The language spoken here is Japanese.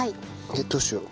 えっどうしよう？